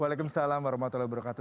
waalaikumsalam warahmatullahi wabarakatuh